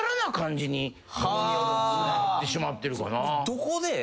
なってしまってるかな。